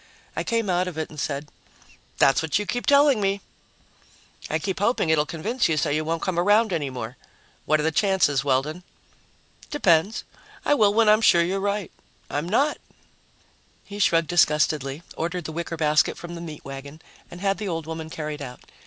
I came out of it and said, "That's what you keep telling me." "I keep hoping it'll convince you so you won't come around any more. What are the chances, Weldon?" "Depends. I will when I'm sure you're right. I'm not." He shrugged disgustedly, ordered the wicker basket from the meat wagon and had the old woman carried out.